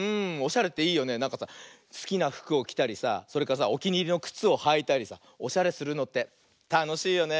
なんかさすきなふくをきたりさそれからさおきにいりのくつをはいたりさおしゃれするのってたのしいよね。